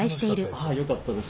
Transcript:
あよかったです。